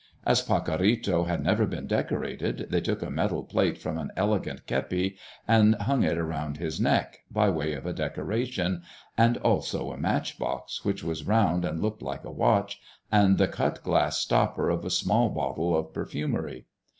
As Pacorrito had never been decorated, they took a metal plate from an elegant Kepi and hung it around his neck, by way of a decoration, and also a match box, which was round and looked like a watch, and the cut glass stopper of a small bottle of perfumery.